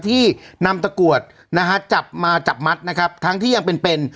ที่นำตะกรวดนะฮะจับมาจับมัดนะครับทั้งที่ยังเป็นเป็น